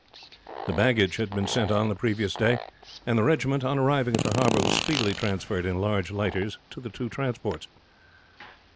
The baggage had been sent on the previous day, and the regiment on arriving at the harbor was speedily transferred in large lighters to the two transports.